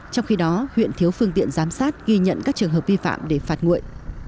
trong khi đó huyện thiếu phương tiện giám sát ghi nhận các trường hợp vi phạm để phạt nguội